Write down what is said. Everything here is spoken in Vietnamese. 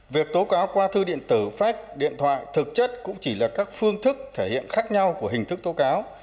việc tố cáo qua thư điện tử phách điện thoại thực chất cũng chỉ là các phương thức thể hiện khác nhau của hình thức tố cáo